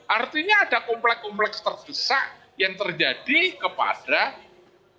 artinya ada kompleks kompleks terbesar yang terjadi kepada alunis ugm